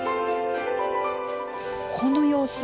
この様子。